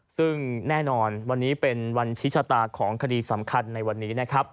ซึ่งแน่นอนวันนี้เป็นวันชิชะตาของคดีสำคัญในวันนี้นะครับ